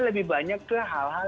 lebih banyak ke hal hal